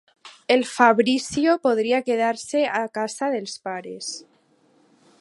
El Fabrizio podria quedar-se a casa dels pares.